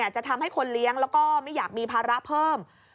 จะทำให้คนเลี้ยงแล้วก็ไม่อยากมีภาระเพิ่ม